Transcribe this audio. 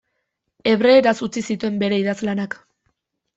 Hebreeraz utzi zituen bere idazlanak.